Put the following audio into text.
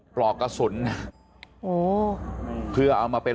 ปลอกกระสุนเพื่อเอามาเป็น